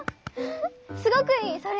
すごくいいそれ。